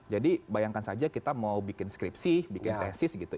jadi bayangkan saja kita mau bikin skripsi bikin tesis gitu